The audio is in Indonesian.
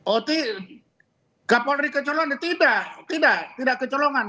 oh kapolri kecolongan tidak tidak tidak kecolongan